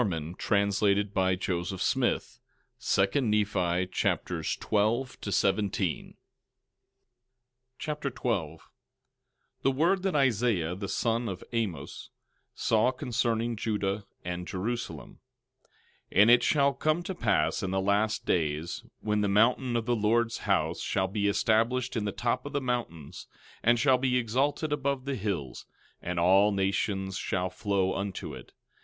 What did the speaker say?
Now these are the words, and ye may liken them unto you and unto all men. 2 Nephi Chapter 12 12:1 The word that Isaiah, the son of Amoz, saw concerning Judah and Jerusalem: 12:2 And it shall come to pass in the last days, when the mountain of the Lord's house shall be established in the top of the mountains, and shall be exalted above the hills, and all nations shall flow unto it.